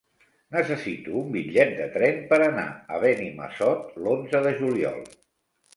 Necessito un bitllet de tren per anar a Benimassot l'onze de juliol.